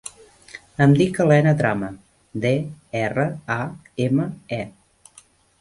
Em dic Elena Drame: de, erra, a, ema, e.